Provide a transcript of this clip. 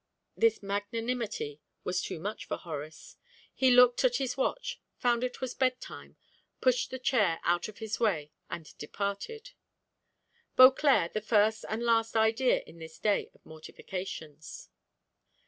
This magnanimity was too much for Horace; he looked at his watch, found it was bed time, pushed the chair out of his way, and departed; Beauclerc, the first and last idea in this his day of mortifications.